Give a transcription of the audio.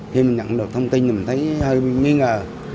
khi mình nhận được thông tin thì mình thấy hơi nghi ngờ